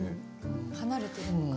離れてるのかな。